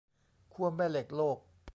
ขั้วแม่เหล็กโลก